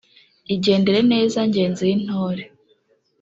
Igendere neza ngenzi y’Intore